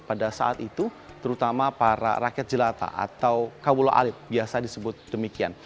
pada saat itu terutama para rakyat jelata atau kabulo alip biasa disebut demikian